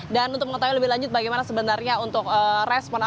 dan untuk mengetahui lebih lanjut bagaimana sebenarnya untuk responasi